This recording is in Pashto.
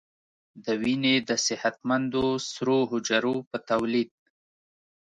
د وینې د صحتمندو سرو حجرو په تولید